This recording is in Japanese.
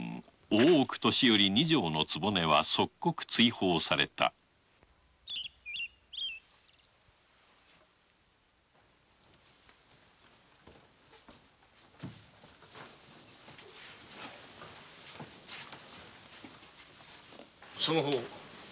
大奥年寄の二条の局は即刻追放されたその方